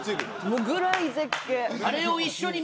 もうぐらい絶景